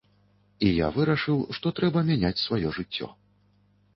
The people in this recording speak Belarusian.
І я вырашыў, што трэба мяняць сваё жыццё.